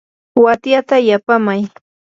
watyata yapaamay.